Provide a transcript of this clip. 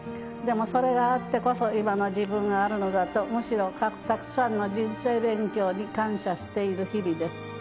でもそれがあってこそ今の自分があるのだとむしろたくさんの人生勉強に感謝している日々です。